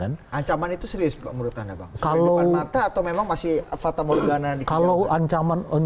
ancaman itu serius menurut anda bang